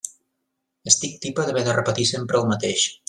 Estic tipa d'haver de repetir sempre el mateix.